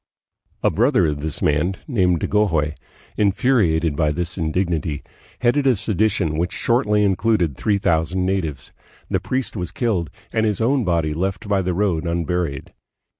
A brother of this man, named Dagohoy, infuriated by this indignity, headed a sedition which shortly included three thousand natives. The priest was killed, and his own body left by the road unburied.